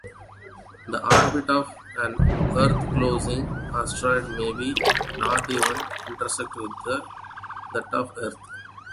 The orbit of an Earth-crossing asteroid may not even intersect with that of Earth.